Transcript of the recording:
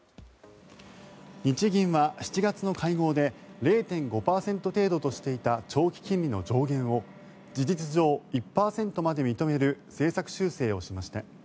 日銀は７月の会合で０．５％程度としていた長期金利の上限を事実上、１％まで認める政策修正をしました。